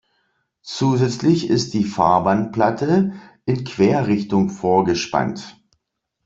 Zusätzlich ist die Fahrbahnplatte in Querrichtung vorgespannt.